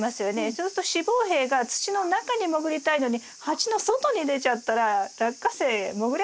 そうすると子房柄が土の中に潜りたいのに鉢の外に出ちゃったらラッカセイ潜れませんね。